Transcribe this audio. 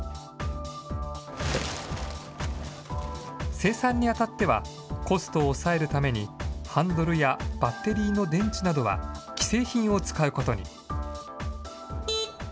生産にあたっては、コストを抑えるために、ハンドルやバッテリーの電池などは既製品を使うことに。